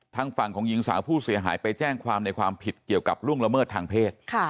ทางฝั่งของหญิงสาวผู้เสียหายไปแจ้งความในความผิดเกี่ยวกับล่วงละเมิดทางเพศ